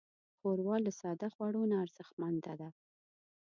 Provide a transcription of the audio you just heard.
ښوروا له ساده خوړو نه ارزښتمنه ده.